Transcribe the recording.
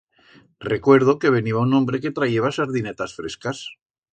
Recuerdo que veniba un hombre que trayeba sardinetas frescas.